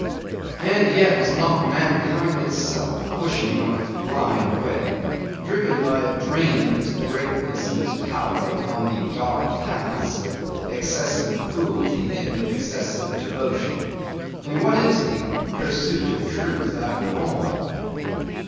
And yet is not mankind itself, pushing on its blind way, driven by a dream of its greatness and its power upon the dark paths of excessive cruelty and of excessive devotion? And what is the pursuit of truth, after all?